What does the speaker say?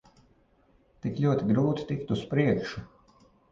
Tik ļoti grūti tikt uz priekšu.